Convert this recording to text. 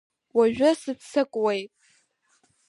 Уажәы сыццакуеит!